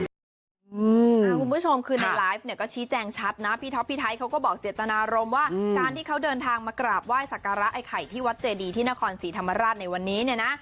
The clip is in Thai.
คุณผู้ชมคือในไลฟ์เนี่ยก็ชี้แจงชัดนะพี่ท็อปพี่ไทยเขาก็บอกเจตนารมณ์ว่าการที่เขาเดินทางมากราบไหว้สักการะไอ้ไข่ที่วัดเจดีที่นครศรีธรรมราชในวันนี้เนี่ยนะ